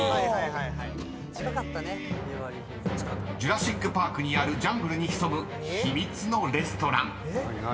［ジュラシック・パークにあるジャングルに潜む秘密のレストラン］